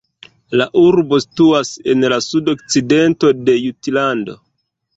La urbo situas en la sudokcidento de Jutlando.